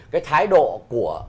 cái thái độ của